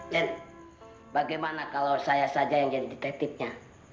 yain bagaimana kalau saya saja yang jadi detektifnya